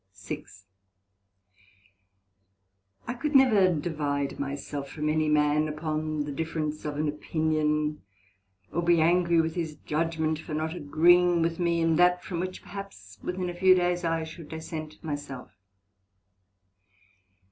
SECT.6 I could never divide my self from any man upon the difference of an opinion, or be angry with his judgment for not agreeing with me in that from which perhaps within a few days I should dissent my self.